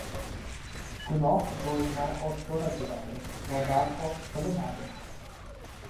Gunoh doimo oshkora keladi va darhol bilinadi.